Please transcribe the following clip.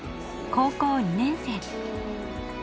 高校２年生。